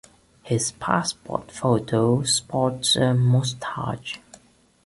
His passport photo sports a moustache.